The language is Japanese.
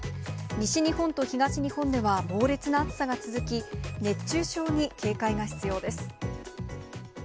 西日本と東日本では猛烈な暑さが続き、熱中症に警戒が必要です。